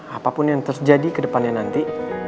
apapun yang terjadi ke depannya nanti